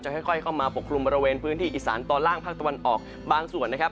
ค่อยเข้ามาปกคลุมบริเวณพื้นที่อีสานตอนล่างภาคตะวันออกบางส่วนนะครับ